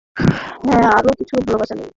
হ্যাঁঁ, আরও কিছু ভালবাসা নে।